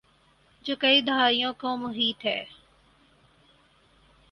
جو کئی دھائیوں کو محیط ہے۔